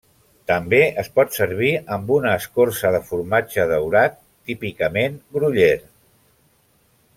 També es pot servir amb una escorça de formatge daurat, típicament Gruyère.